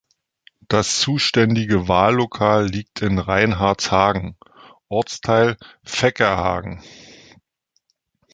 Das zuständige Wahllokal liegt in Reinhardshagen, Ortsteil Veckerhagen.